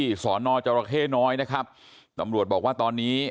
สอนอจรเข้น้อยนะครับตำรวจบอกว่าตอนนี้